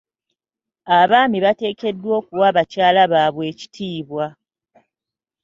Abaami bateekeddwa okuwa bakyala baabwe ekitiibwa.